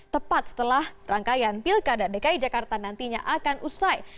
tepat setelah rangkaian pilkada dki jakarta nantinya akan usai